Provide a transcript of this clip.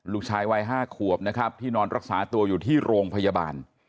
ลูกชายวัย๕ขวบนะครับที่นอนรักษาตัวอยู่ที่โรงพยาบาล